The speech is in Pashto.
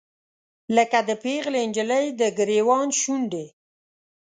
لکه د پیغلې نجلۍ، دګریوان شونډې